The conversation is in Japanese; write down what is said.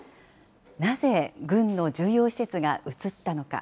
なぜ軍の重要施設が移ったのか。